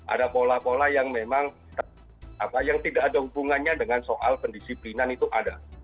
ada pola pola yang memang yang tidak ada hubungannya dengan soal pendisiplinan itu ada